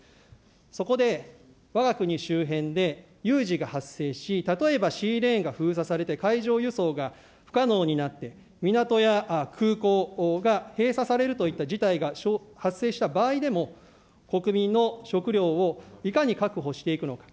そこでわが国周辺で有事が発生し、例えばシーレーンが封鎖されて、海上輸送が不可能になって、港や空港が閉鎖されるといった事態が発生した場合でも、国民の食料をいかに確保していくのか。